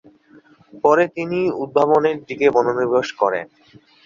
পরে, তিনি উদ্ভাবনের দিকে মনোনিবেশ করেন।